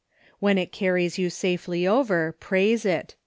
When it carries you safely over, praise it.